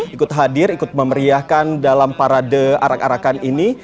ikut hadir ikut memeriahkan dalam parade arak arakan ini